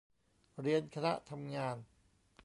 เรียนคณะทำงาน